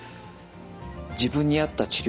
自分に合った治療